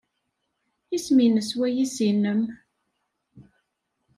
Isem-nnes wayis-nnem?